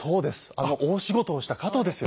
あの大仕事をした加藤ですよ。